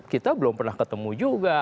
kita belum pernah ketemu juga